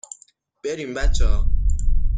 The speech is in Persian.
بریم بچه ها